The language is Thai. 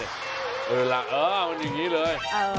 เออล่ะเออมันอย่างนี้เลย